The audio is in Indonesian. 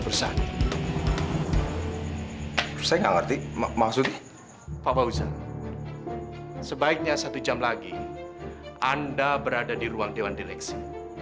bapak uzzah sebaiknya satu jam lagi anda berada di ruang dewan direksi